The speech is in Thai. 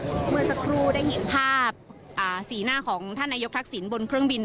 เมื่อสักครู่ได้เห็นภาพสีหน้าของท่านนายกทักษิณบนเครื่องบิน